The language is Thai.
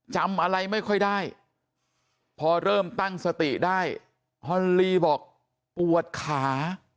จำอะไรไม่ค่อยได้พอเริ่มตั้งสติได้ฮอนลีบอกปวดขา